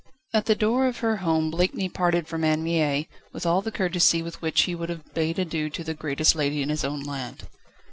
At the door of her home Blakeney parted from Anne Mie, with all the courtesy with which he would have bade adieu to the greatest lady in his own land.